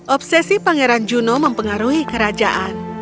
obsesi pangeran juno mempengaruhi kerajaan